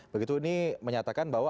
begitu ini menyatakan bahwa